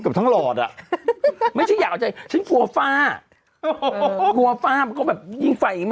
อุ๊ยไม่ใช่อุ๊ยใช่ไหม